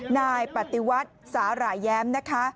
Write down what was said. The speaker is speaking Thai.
นายปฏิวัติสาหร่ายแย้มนะคะ